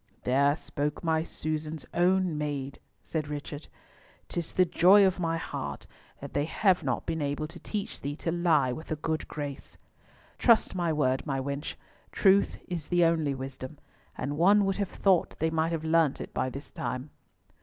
"There spake my Susan's own maid," said Richard. "'Tis the joy of my heart that they have not been able to teach thee to lie with a good grace. Trust my word, my wench, truth is the only wisdom, and one would have thought they might have learnt it by this time."